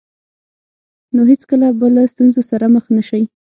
نو هېڅکله به له ستونزو سره مخ نه شئ.